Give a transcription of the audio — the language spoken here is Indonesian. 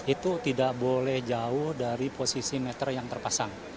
itu tidak boleh jauh dari posisi meter yang terpasang